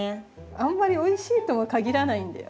あんまりおいしいとも限らないんだよ。